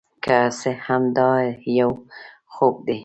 که څه هم دا یو خوب دی،